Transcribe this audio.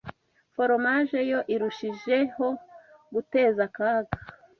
Foromaje yo irushijeho guteza akaga.